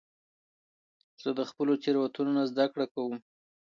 زه د خپلو تیروتنو نه زده کړه کوم.